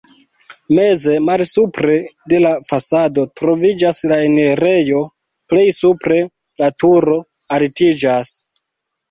Meze, malsupre de la fasado troviĝas la enirejo, plej supre la turo altiĝas.